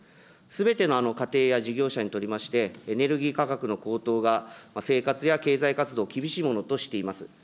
すべての家庭や事業者にとりまして、エネルギー価格の高騰が生活や経済活動を厳しいものとしています。